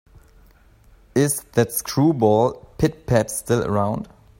Is that screwball Pit-Pat still around?